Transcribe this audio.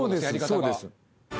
そうです